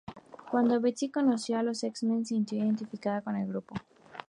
Cuando Betsy conoció a los X-Men se sintió identificada con el grupo.